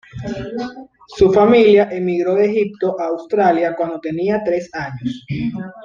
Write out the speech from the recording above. Su familia emigro de Egipto a Australia cuando tenía tres años.